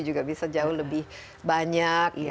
juga bisa jauh lebih banyak